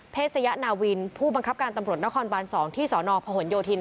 สยนาวินผู้บังคับการตำรวจนครบาน๒ที่สนพหนโยธิน